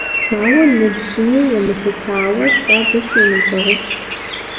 Ауэ, ныбжьми емылъытауэ, сэ абы сриныбжьэгъуфӀт.